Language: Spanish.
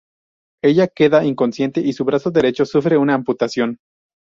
Ella queda inconsciente y su brazo derecho sufre una amputación.